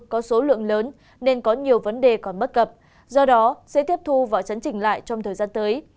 có số lượng lớn nên có nhiều vấn đề còn bất cập do đó sẽ tiếp thu và chấn chỉnh lại trong thời gian tới